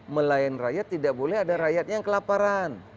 melayan rakyat tidak boleh ada rakyatnya yang kelaparan